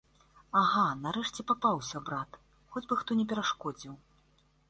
Ага, нарэшце папаўся, брат, хоць бы хто не перашкодзіў.